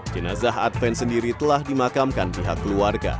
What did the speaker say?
jenazah adven sendiri telah dimakamkan pihak keluarga